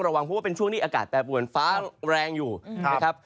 ระวังเพราะว่าเป็นช่วงที่อากาศแปรปวนฟ้าแรงอยู่นะครับ